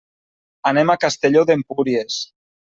Anem a Castelló d'Empúries.